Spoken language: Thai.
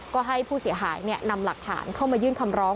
ก็ให้ผู้เสียหายนำหลักฐานเข้ามายื่นคำร้อง